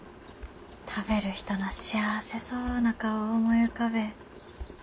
食べる人の幸せそうな顔を思い浮かべえ。